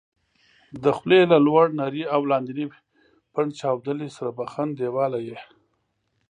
د خولې له لوړ نري او لاندني پنډ چاودلي سره بخن دېواله یې